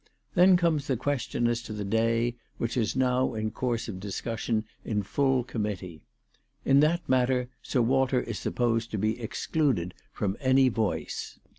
Then comes the question as to the day, which is now in course of discussion in full committee. In that matter Sir Walter is "supposed to be excluded from any voice.